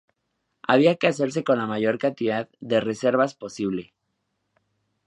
Había que hacerse con la mayor cantidad de reservas posible